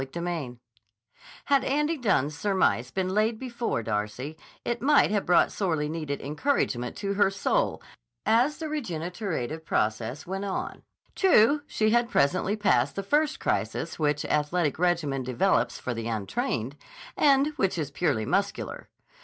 CHAPTER VI HAD Andy Dunne's surmise been laid before Darcy, it might have brought sorely needed encouragement to her soul as the regenerative process went on. True she had presently passed the first crisis which athletic regimen develops for the untrained, and which is purely muscular.